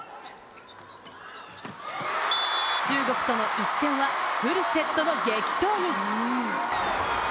中国との一戦はフルセットの激闘に。